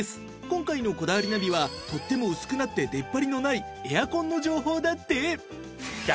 今回の『こだわりナビ』はとても薄くなって出っ張りのないエアコンの情報だって！